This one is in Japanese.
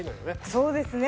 そうですね。